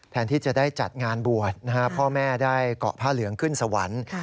แทนที่จะได้จัดงานบวชพ่อแม่ได้เกาะผ้าเหลืองขึ้นสวรรค์